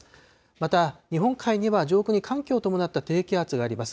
また日本海には上空に寒気を伴った低気圧があります。